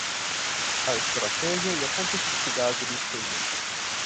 A estratégia e competitividade do espelho